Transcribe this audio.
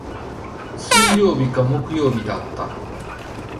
水曜日か木曜日だった。